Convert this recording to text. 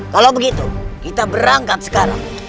kalau begitu kita berangkat sekarang